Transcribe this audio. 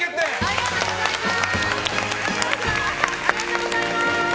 ありがとうございます！